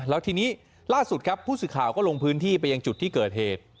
แล้วทีนี้ล่าสุดครับผู้สื่อข่าวก็ลงพื้นที่ไปยังจุดที่เกิดเหตุ